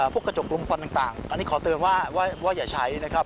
กระจกรุมฟันต่างอันนี้ขอเตือนว่าอย่าใช้นะครับ